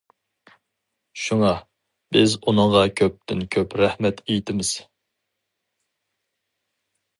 شۇڭا بىز ئۇنىڭغا كۆپتىن كۆپ رەھمەت ئېيتىمىز.